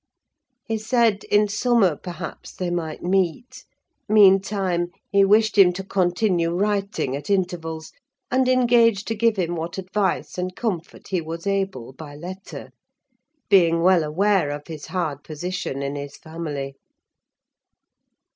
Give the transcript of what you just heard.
He said, in summer, perhaps, they might meet: meantime, he wished him to continue writing at intervals, and engaged to give him what advice and comfort he was able by letter; being well aware of his hard position in his family.